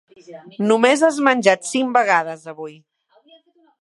Només has menjat cinc vegades, avui.